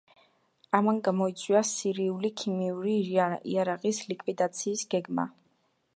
ამან გამოიწვია სირიული ქიმიური იარაღის ლიკვიდაციის გეგმა.